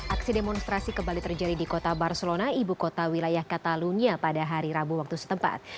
aksi demonstrasi kembali terjadi di kota barcelona ibu kota wilayah catalunia pada hari rabu waktu setempat